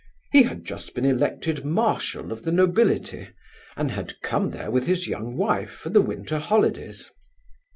He had just been elected marshal of the nobility, and had come there with his young wife for the winter holidays.